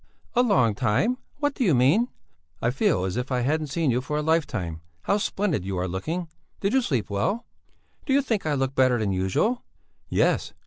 "A long time? What do you mean?" "I feel as if I hadn't seen you for a life time. How splendid you are looking! Did you sleep well?" "Do you think I look better than usual?" "Yes!